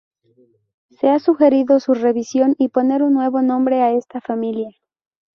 Se ha sugerido su revisión y poner un nuevo nombre a esta familia.